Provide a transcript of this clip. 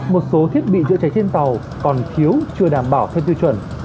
một số thiết bị chữa cháy trên tàu còn thiếu chưa đảm bảo theo tiêu chuẩn